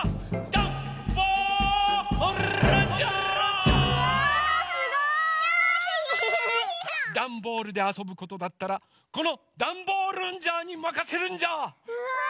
ダンボールであそぶことだったらこのダンボールンジャーにまかせるんジャー！うわ！